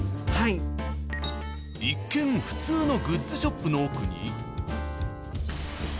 ［一見普通のグッズショップの奥に］